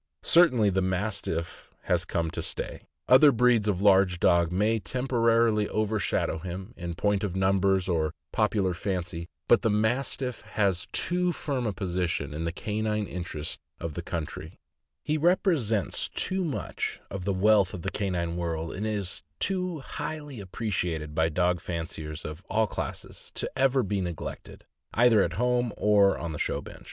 Certainly the Mastiff has come to stay. Other breeds of large dogs may temporarily overshadow him, in point of numbers or popular fancy, but the Mastiff has too firm a position in the canine interests of the country — he rep resents too much of the wealth of the canine world, and is too highly appreciated by dog fanciers of all classes— to ever be neglected, either at home or on the show bench.